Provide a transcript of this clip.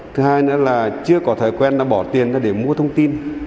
thứ hai nữa là chưa có thói quen bỏ tiền để mua thông tin